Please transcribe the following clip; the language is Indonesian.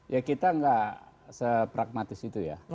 ya kita nggak sepragmatis itu ya